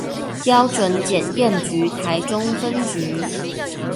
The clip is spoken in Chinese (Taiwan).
標準檢驗局臺中分局